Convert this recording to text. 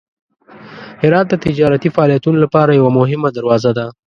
هرات د تجارتي فعالیتونو لپاره یوه مهمه دروازه ده.